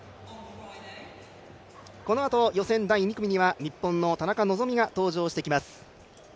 このあと予選第２組には日本の田中希実が登場してきます。